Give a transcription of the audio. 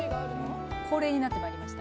恒例になってまいりました。